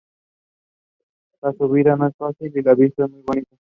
La subida no es difícil y la vista es muy bonita.